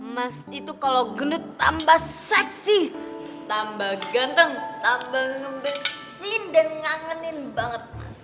mas itu kalau gendut tambah seksi tambah ganteng tambah ngembesin dan ngangenin banget mas